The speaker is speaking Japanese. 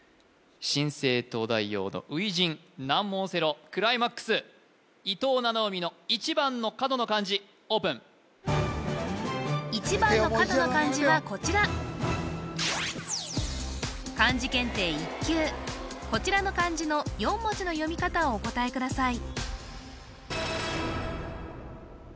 新星東大王の初陣難問オセロクライマックス伊藤七海の１番の角の漢字オープン１番の角の漢字はこちらこちらの漢字の４文字の読み方をお答えください